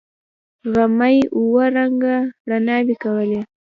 غمي اوه رنگه رڼاوې کولې.